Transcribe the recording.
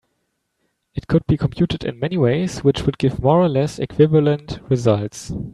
It could be computed in many ways which would give more or less equivalent results.